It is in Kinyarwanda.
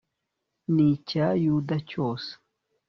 n'icya yuda cyose